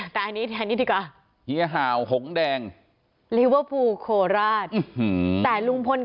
ตั้งใจจะมาให้กำลังใจลุงพล